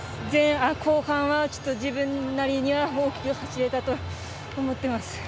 後半は、自分なりには大きく走れたと思ってます。